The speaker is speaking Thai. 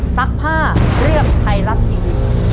ซักผ้าเรื่องใครรักจริง